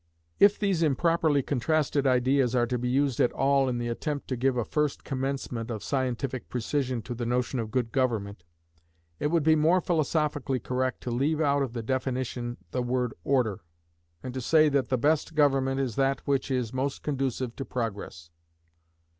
If these improperly contrasted ideas are to be used at all in the attempt to give a first commencement of scientific precision to the notion of good government, it would be more philosophically correct to leave out of the definition the word Order, and to say that the best government is that which is most conducive to Progress.